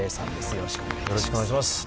よろしくお願いします。